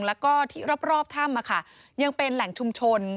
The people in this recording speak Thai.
แล้วก็ที่รอบถ้ำยังเป็นแหล่งชุมชน